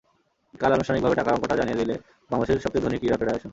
কাল আনুষ্ঠানিকভাবে টাকার অঙ্কটা জানিয়ে দিল বাংলাদেশের সবচেয়ে ধনী ক্রীড়া ফেডারেশন।